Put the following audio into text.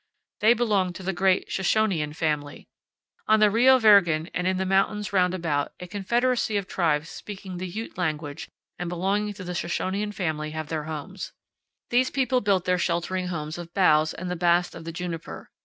They belong to the great Shoshonian family. On the Rio Virgen and in the mountains round about, a confederacy of tribes speaking the Ute language and belonging to the Shoshonian family have their homes. These people built their sheltering homes of boughs and the bast of the juniper.